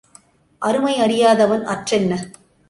அருமை அறியாதவன் அற்றென்ன?